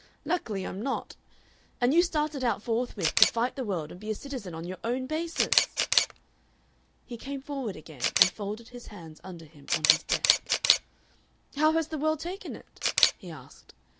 Luckily I'm not. And you started out forthwith to fight the world and be a citizen on your own basis?" He came forward again and folded his hands under him on his desk. "How has the world taken it?" he asked.